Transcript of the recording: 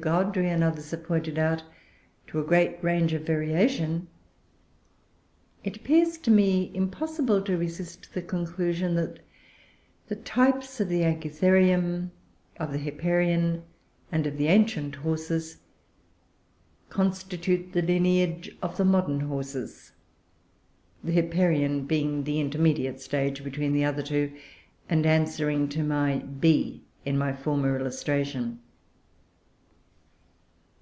Gaudry and others have pointed out, to a great range of variation, it appears to me impossible to resist the conclusion that the types of the Anchitherium, of the Hipparion, and of the ancient Horses constitute the lineage of the modern Horses, the Hipparion being the intermediate stage between the other two, and answering to B in my former illustration.